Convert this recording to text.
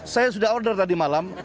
saya sudah order tadi malam